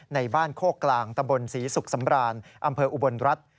ในบ้านโคกกลางตำบลศรีสุขสำรานอำเภออุบลรัฐ